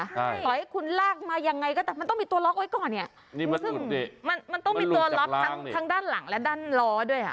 ใช่ต่อให้คุณลากมายังไงก็แต่มันต้องมีตัวล็อกไว้ก่อนเนี่ยซึ่งมันมันต้องมีตัวล็อกทั้งทั้งด้านหลังและด้านล้อด้วยอ่ะ